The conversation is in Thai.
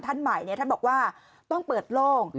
ท่านใหม่ท่านบอกว่าต้องเปิดโล่ง